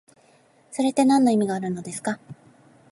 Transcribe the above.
それってなんの意味があるのですか？